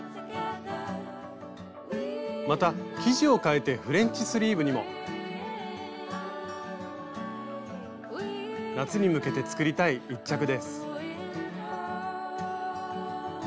また生地をかえてフレンチスリーブにも。夏に向けて作りたい１着です。